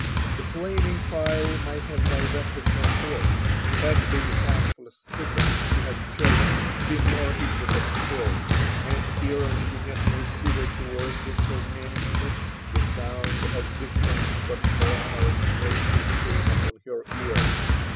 The flaming pile might have dir^ted er course, had the pathless thicket she had chosen, been more in tricate still ; and ere she had proceeded towards it for many minutes, the sound of distant but clamorous voices came upoB her ear.